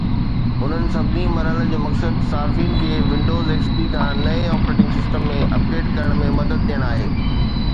انهن سڀني مرحلن جو مقصد صارفين کي ونڊوز XP کان نئين آپريٽنگ سسٽم ۾ اپڊيٽ ڪرڻ ۾ مدد ڏيڻ آهي